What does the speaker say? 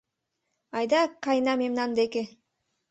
Айда каена мемнан деке!